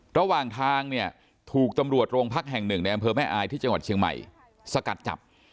ระหว่างทางเนี่ยถูกตำรวจโรงพักแห่งหนึ่งในอำเภอแม่อายที่จังหวัดเชียงใหม่สกัดจับ